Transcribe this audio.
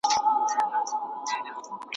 د خصوصي سکتور فکر مهم دی.